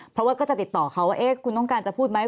เพราะว่าก็จะติดต่อเขาว่าคุณต้องการจะพูดไหม